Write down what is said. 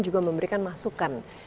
juga memberikan masukan